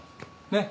ねっ？